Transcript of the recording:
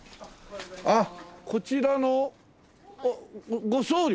あっこちらのご僧侶？